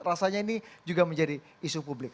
rasanya ini juga menjadi isu publik